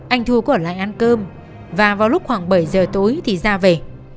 anh thu có ở lại ăn cơm và vào lúc khoảng bảy giờ tối thì ra về